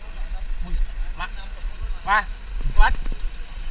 สายไปสายไปสายไปทุกโมงสายไปทุกโมงสายไปทุกโมง